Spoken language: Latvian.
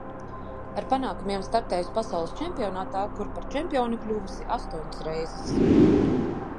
Ar panākumiem startējusi pasaules čempionātā, kur par čempioni kļuvusi astoņas reizes.